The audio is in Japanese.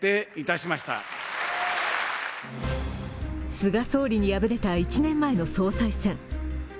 菅総理に敗れた１年前の総裁選。